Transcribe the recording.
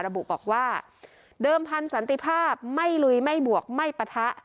ระบุบอกว่าเดิมพันธ์สันติภาพไม่ลุยไม่บวกไม่ปะทะ